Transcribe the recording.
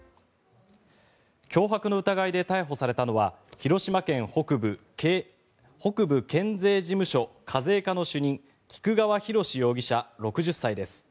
脅迫の疑いで逮捕されたのは広島県北部県税事務所課税課の主任菊川浩容疑者、６０歳です。